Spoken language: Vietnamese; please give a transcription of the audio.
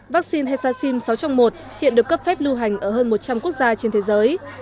vaccine hexacin sáu trong một hiện được cấp phép lưu hành ở hơn một trăm linh quốc gia trên thế giới